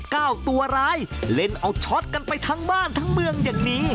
เก้าตัวร้ายเล่นเอาช็อตกันไปทั้งบ้านทั้งเมืองอย่างนี้